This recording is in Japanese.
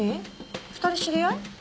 ２人知り合い？